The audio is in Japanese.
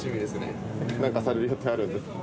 何かされる予定あるんですか？